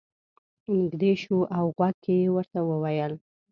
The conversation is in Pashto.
نږدې شو او غوږ کې یې ورته وویل.